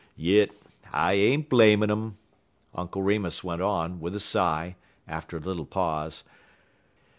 "Yit I ain't blamin' um," Uncle Remus went on, with a sigh, after a little pause.